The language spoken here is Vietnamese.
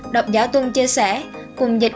đọc giả tuân chia sẻ cùng dịch